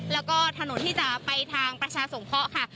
แล้วก็ถนนที่จะไปทางประชาสงเคราะห์ค่ะ